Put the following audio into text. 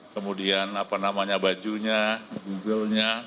kemudian apa namanya bajunya google nya